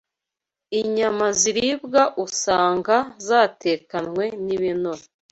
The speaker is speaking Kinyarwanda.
Inyama ziribwa usanga zatekanywe n’ibinure